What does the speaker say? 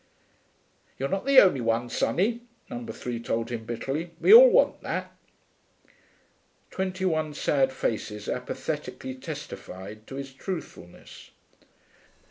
'You're not the only one, sonny,' number three told him bitterly. 'We all want that.' Twenty one sad faces apathetically testified to his truthfulness.